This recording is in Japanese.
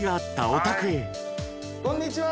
こんにちは。